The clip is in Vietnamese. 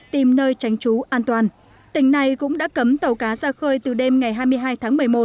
tìm nơi tránh trú an toàn tỉnh này cũng đã cấm tàu cá ra khơi từ đêm ngày hai mươi hai tháng một mươi một